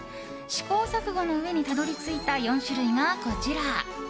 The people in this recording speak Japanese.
試行錯誤のうえにたどり着いた４種類がこちら。